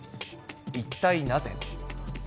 一体なぜ。